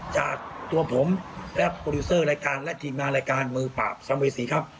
จากตัวผมและโปรดิวเซอร์รายการและทีมงานรายการมือปราบสัมภเวษีครับ